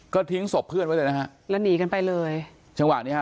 ก็ทิ้งศพเพื่อนไว้เลยนะฮะแล้วหนีกันไปเลยจังหวะนี้ฮะ